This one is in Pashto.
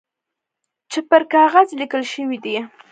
چي پر کاغذ لیکل شوي دي .